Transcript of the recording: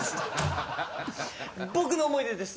僕の思い出です。